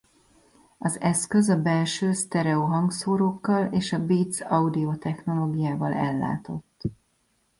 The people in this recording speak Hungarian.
Az eszköz a belső sztereó hangszórókkal és a Beats Audio technológiával ellátott.